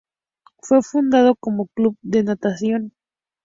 Fue fundado como club de natación.